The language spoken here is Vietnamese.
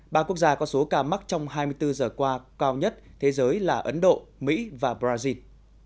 ba quốc gia có số ca mắc trong hai mươi bốn giờ qua cao nhất thế giới là ấn độ mỹ và brazil